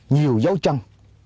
nhiều dấu chân